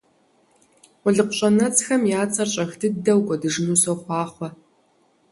Къулыкъу щӀэнэцӀхэм я цӀэр щӀэх дыдэ кӀуэдыжыну сохъуахъуэ!